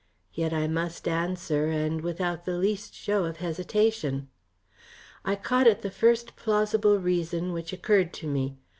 Yet I must answer, and without the least show of hesitation. I caught at the first plausible reason which occurred to me.